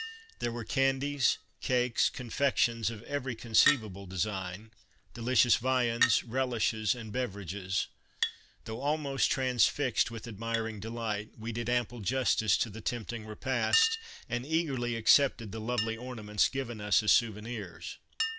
There Were candies, cakes, confections of every conceivable design ; delicious viands, relishes and beverages. Though almost transfixed with ad miring delight, we did ample justice to the tempting repast and eagerly accepted the lovely ornaments given us as souvenirs.